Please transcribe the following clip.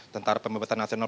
tentara pembebasan nasional